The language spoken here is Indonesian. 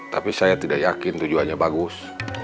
tapi saya tidak yakin tujuannya bagus